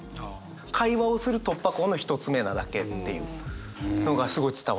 会話をする突破口の一つ目なだけっていうのがすごい伝わりました。